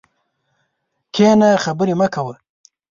کښېنه خبري مه کوه!